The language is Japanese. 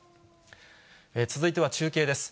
続いては中継です。